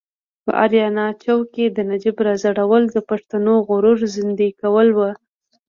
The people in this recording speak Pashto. په اریانا چوک کې د نجیب راځړول د پښتون غرور زیندۍ کول و.